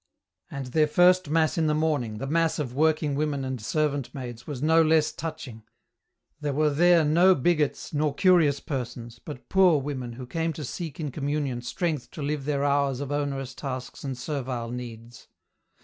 And their first mass in the morning, the mass of working women and servant maids was no less touching ; there were there no bigots nor curious persons, but poor women who came to seek in communion strength to live their hours of onerous tasks and servile needs.